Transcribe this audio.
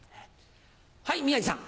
はい宮治さん。